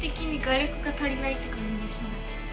って感じがします。